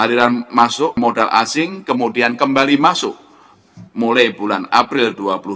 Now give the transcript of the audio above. aliran masuk modal asing kemudian kembali masuk mulai bulan april dua ribu dua puluh